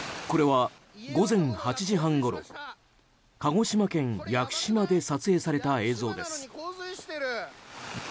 これは午前８時半ごろ鹿児島県屋久島で撮影された映像です。